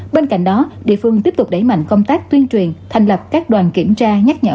bên cạnh đó địa phương tiếp tục đẩy mạnh công tác tuyên truyền thành lập các đoàn kiểm tra nhắc nhở